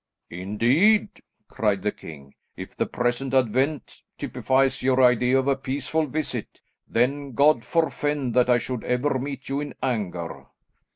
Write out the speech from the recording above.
"Indeed!" cried the king. "If the present advent typifies your idea of a peaceful visit, then God forfend that I should ever meet you in anger."